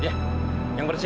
ya yang bersih ya